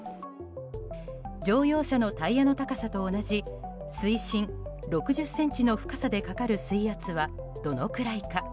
乗用車のタイヤの高さと同じ水深６０ｃｍの深さでかかる水圧はどのくらいか。